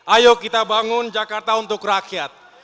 ayo kita bangun jakarta untuk rakyat